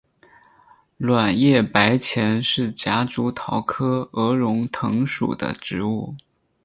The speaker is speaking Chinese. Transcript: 卵叶白前是夹竹桃科鹅绒藤属的植物。